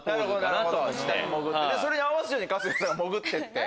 それに合わすように春日さん潜って。